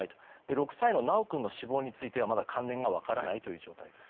６歳の修君の死亡についてはまだ関連が分からないという状態です。